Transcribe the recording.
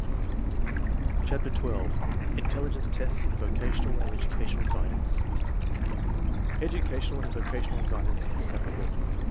CHAPTER XII INTELLIGENCE TESTS IN VOCATIONAL AND EDUCATIONAL GUIDANCE l Educational and vocational guidance inseparable.